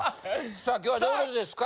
さあ今日はどういうことですか？